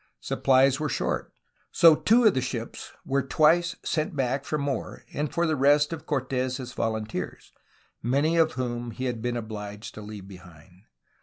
Supplies were short; so two of the ships were twice sent back for more and for the rest of Cortes' volunteers, many of whom he had been obliged to leave behind.